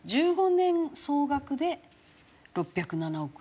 １５年総額で６０７億円。